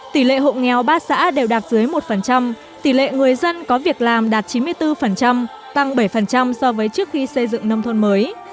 tỷ lệ hộ nghèo ba xã đều đạt dưới một tỷ lệ người dân có việc làm đạt chín mươi bốn tăng bảy so với trước khi xây dựng nông thôn mới